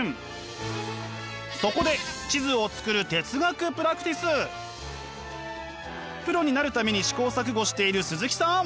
そこで地図を作るプロになるために試行錯誤している鈴木さん！